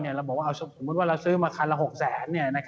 เราบอกว่าสมมุติว่าเราซื้อมาคันละ๖แสน